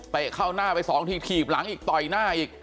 เข้าหน้าไปสองทีถีบหลังอีกต่อยหน้าอีก